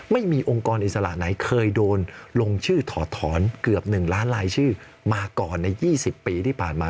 ไม่มีองค์กรอิสระไหนเคยโดนลงชื่อถอดถอนเกือบ๑ล้านลายชื่อมาก่อนใน๒๐ปีที่ผ่านมา